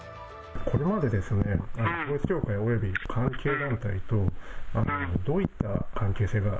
これまでですね、統一教会および関係団体とどういった関係性が？